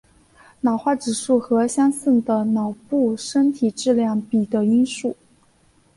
脑化指数和相似的脑部身体质量比的因素。